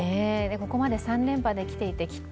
ここまで３連覇できていてきっと